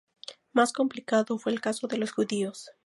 Más complicado fue el caso de los judíos.